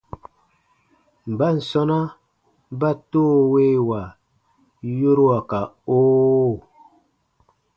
Mban sɔ̃na ba “toowewa” yorua ka “oo”?